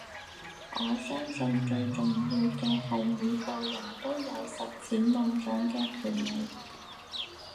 我相信最重要嘅係每個人都有實踐夢想嘅權利